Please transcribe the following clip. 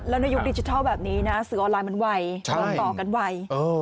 แล้วในยุคดิจิทัลแบบนี้นะสื่อออนไลน์มันไวต่อกันไว